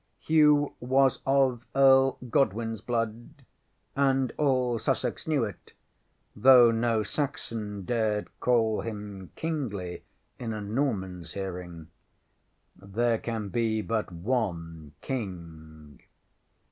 ŌĆØ ŌĆśHugh was of Earl GodwinŌĆÖs blood, and all Sussex knew it, though no Saxon dared call him kingly in a NormanŌĆÖs hearing. There can be but one King.